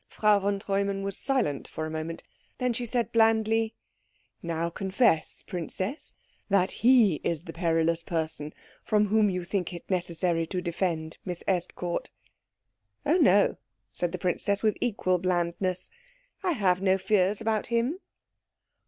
Frau von Treumann was silent for a moment. Then she said blandly, "Now confess, princess, that he is the perilous person from whom you think it necessary to defend Miss Estcourt." "Oh no," said the princess with equal blandness; "I have no fears about him."